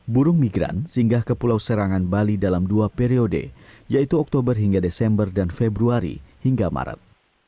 burung migran singgah ke pulau serangan bali dalam dua periode yaitu oktober hingga desember dan februari hingga maret